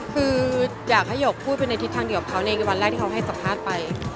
คืออยากให้หยกพูดไปในทิศทางเดียวกับเขาในวันแรกที่เขาให้สัมภาษณ์ไป